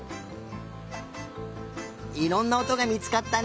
いろんなおとがみつかったね。